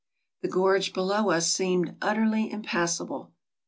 The gorge below us seemed utterly impassable.